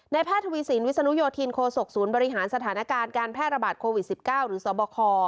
แพทย์ทวีสินวิศนุโยธินโคศกศูนย์บริหารสถานการณ์การแพร่ระบาดโควิด๑๙หรือสบค